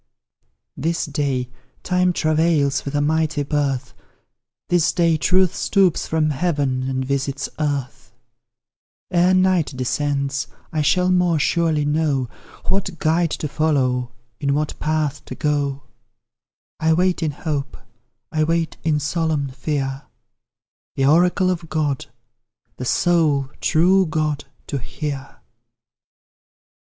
This day, Time travails with a mighty birth; This day, Truth stoops from heaven and visits earth; Ere night descends I shall more surely know What guide to follow, in what path to go; I wait in hope I wait in solemn fear, The oracle of God the sole true God to hear.